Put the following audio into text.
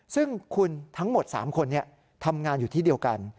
ซึ่งคุณทั้งหมด๓คนทำงานอยู่ที่เดียวกัน